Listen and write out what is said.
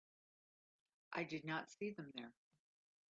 I did not see them there.